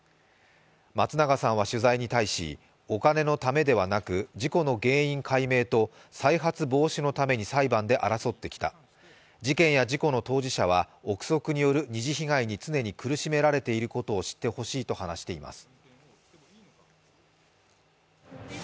松永さんは取材に対し、お金のためではなく事故の原因解明と再発防止のために裁判で争ってきた事件や事故の当事者は臆測による二次被害に常に苦しめられていることを知ってほしいと話しています。